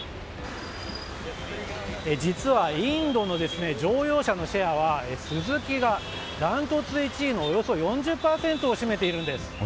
実は、インドの乗用車のシェアはスズキがダントツで１位のおよそ４０％を占めているんです。